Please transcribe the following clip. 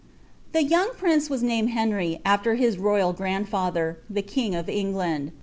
The young prince was named Henry, after his royal grand&ther, the king of England.